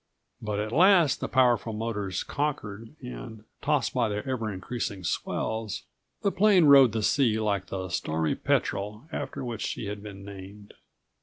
But at last the powerful motors conquered and, tossed by the ever increasing swells, the155 plane rode the sea like the stormy petrel after which she had been named.